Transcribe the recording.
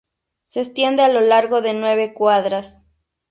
Se extiende a lo largo de nueve cuadras.